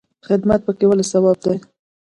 خدمت پکې ولې ثواب دی؟